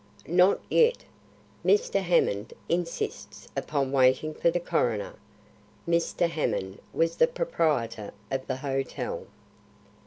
"Not yet. Mr. Hammond insists upon waiting for the coroner." (Mr. Hammond was the proprietor of the hotel.)